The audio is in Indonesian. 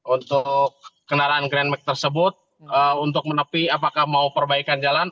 untuk kendaraan grandmack tersebut untuk menepi apakah mau perbaikan jalan